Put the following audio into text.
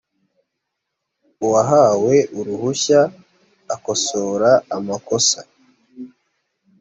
uwahawe uruhushya akosora amakosa.